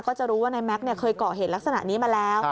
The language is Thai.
ก็จะรู้ว่านายแม็กซ์เคยเกาะเหตุลักษณะนี้มาแล้ว